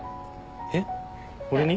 えっ俺に？